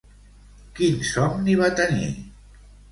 Quin somni va tenir?